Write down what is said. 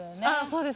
そうです